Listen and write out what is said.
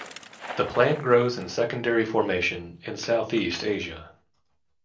The plant grows in secondary formation in Southeast Asia.